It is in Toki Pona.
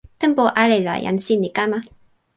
tenpo ale la jan sin li kama.